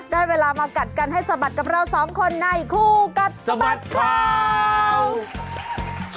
ได้เวลามากัดกันให้สะบัดกับเราสองคนในคู่กัดสะบัดข่าว